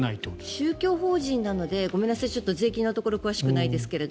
宗教法人なので税金のところ詳しくないですが。